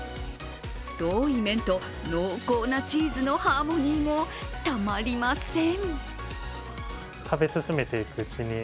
太い麺と濃厚なチーズのハーモニーもたまりません。